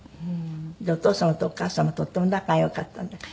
お父様とお母様とっても仲が良かったんですって？